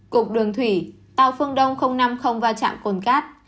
cục đường thủy tàu phương đông năm mươi va chạm cồn cắt